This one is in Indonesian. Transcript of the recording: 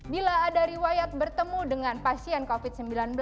bila ada riwayat bertemu dengan pasien covid sembilan belas